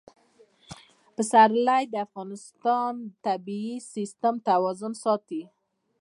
پسرلی د افغانستان د طبعي سیسټم توازن ساتي.